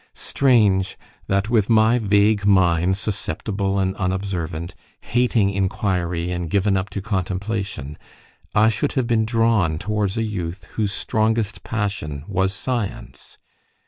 Strange! that with my vague mind, susceptible and unobservant, hating inquiry and given up to contemplation, I should have been drawn towards a youth whose strongest passion was science.